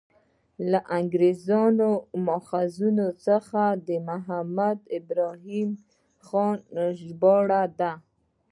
له انګریزي ماخذونو څخه محمد ابراهیم خان ژباړلی دی.